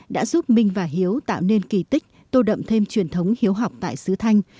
đã giúp minh và hiếu tạo nên kỳ tích tô đậm thêm truyền thống hiếu học tại sứ thanh